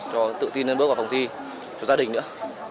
cho tự tin nên bước vào phòng thi cho gia đình nữa